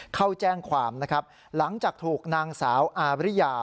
เข้าแจ้งความนะครับหลังจากถูกนางสาวอาริยา